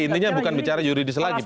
intinya bukan bicara yuridis lagi